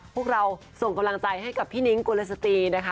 พวกเราส่งกำลังใจให้กับพี่นิ้งกุลสตรีนะคะ